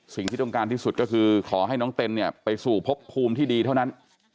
สิ่งที่ต้องการที่สุดก็คือขอให้น้องเต้นเนี่ยไปสู่พบภูมิที่ดีเท่านั้น